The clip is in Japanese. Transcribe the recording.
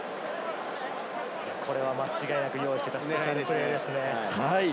間違いなく用意していたスペシャルプレーですね。